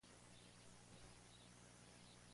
No tiene más historia.".